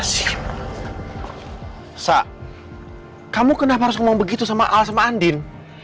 lestafilis zain sa kamu kenapa ngomong begitu sama ales mandin